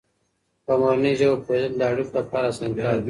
په مورنۍ ژبه پوهېدل د اړیکو لپاره اسانتیا ده.